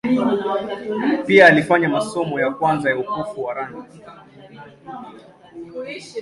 Pia alifanya masomo ya kwanza ya upofu wa rangi.